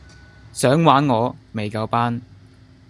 想玩我?未夠班